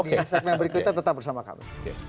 sebenarnya berikutan tetap bersama kami